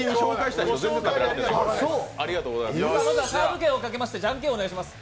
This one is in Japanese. サーブ権をかけましてじゃんけんをお願いします。